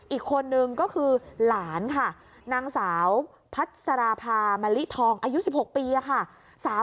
อีกคนนึงก็คือหลานค่ะนางสาวพัสราภามะลิทองอายุ๑๖ปีค่ะ